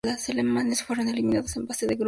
Los alemanes fueron eliminados en fase de grupos.